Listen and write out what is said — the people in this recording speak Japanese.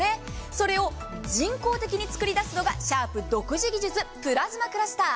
それを人工的に作り出すのがシャープ独自技術、プラズマクラスター。